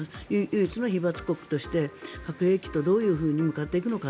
唯一の被爆国として核兵器とどういうふうに向かっていくのか。